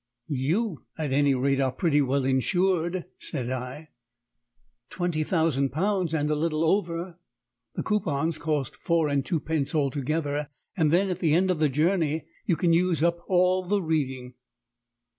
"You, at any rate, are pretty well insured," said I. "Twenty thousand pounds, and a little over: the coupons cost four and twopence altogether, and then at the end of the journey you can use up all the reading."